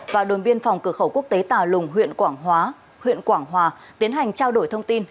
và đồn biên phòng cửa khẩu quốc tế tà lùng huyện quảng hòa tiến hành trao đổi thông tin